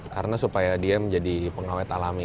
karena supaya dia menjadi pengawet alami